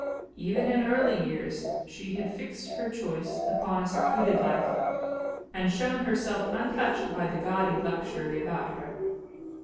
Even in early years she had fixed her choice upon a secluded life and shown herself untouched by the gaudy luxury about her.